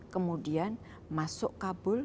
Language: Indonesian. kemudian masuk kabul